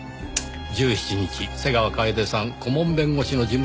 １７日瀬川楓さん顧問弁護士の事務所を訪ねる。